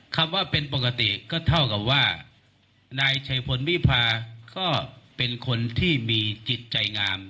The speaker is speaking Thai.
คำว่าเป็นปกติก็เท่ากับว่านายชัยพลวิพาก็เป็นคนที่มีจิตใจงาม